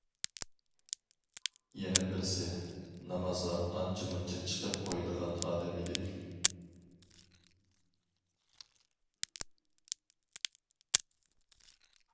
يەنە بىرسى، نامازغا ئانچە- مۇنچە چىقىپ قويىدىغان ئادەم ئىدى.